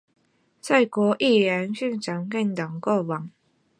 最后一位中宫是光格天皇的中宫欣子内亲王。